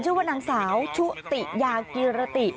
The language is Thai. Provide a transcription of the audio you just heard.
ชื่อว่านางสาวชุติยากีรติ